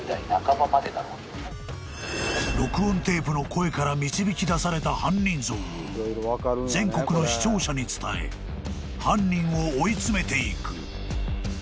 ［録音テープの声から導き出された犯人像を全国の視聴者に伝え犯人を追い詰めていく］